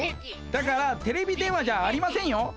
だからテレビ電話じゃありませんよ。